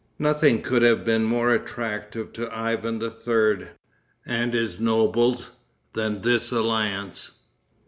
Nothing could have been more attractive to Ivan III., and his nobles, than this alliance.